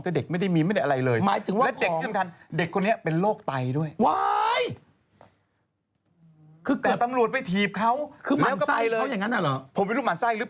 แต่เด็กนี่ไม่ได้มีอะไรเลย